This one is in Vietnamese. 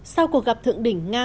sau cuộc gặp thượng đỉnh nga